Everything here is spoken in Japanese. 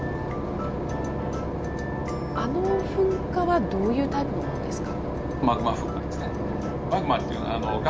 あの噴火はどういうタイプのものですか？